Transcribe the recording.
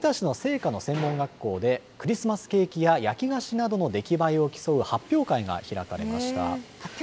大分市の製菓の専門学校で、クリスマスケーキや焼き菓子などの出来栄えを競う発表会が開かれました。